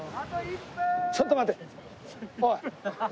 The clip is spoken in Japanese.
ちょっと待て。